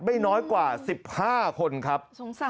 ไม่น้อยกว่า๑๕คนครับ